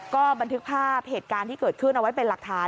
ก็บันทึกภาพเหตุการณ์ที่เกิดขึ้นเอาไว้เป็นหลักฐาน